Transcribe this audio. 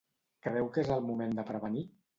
Creu que és moment de prevenir?